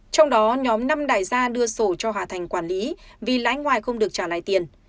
trong đó nhóm năm đại gia đưa sổ cho hà thành quản lý vì lãi ngoài không được trả lại tiền